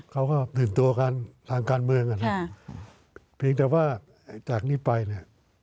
เขาก็ตื่นตัวกันทางการเมืองกันเพียงแต่ว่าจากนี้ไปเนี่ย